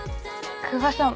久我さん